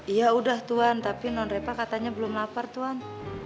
iya udah tuan tapi non reva katanya belum lapar tuan